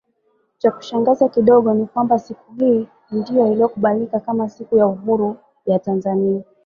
Chakushangaza kidogo ni kwamba siku hii ndio iliyokubalika kama siku ya uhuru ya Tanzania